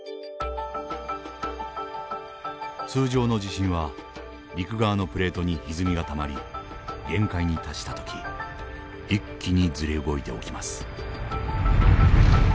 通常の地震は陸側のプレートにひずみがたまり限界に達した時一気にずれ動いて起きます。